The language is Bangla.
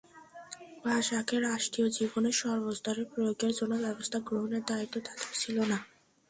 ভাষাকে রাষ্ট্রীয় জীবনের সর্বস্তরে প্রয়োগের জন্য ব্যবস্থা গ্রহণের দায়িত্ব তাঁদের ছিল না।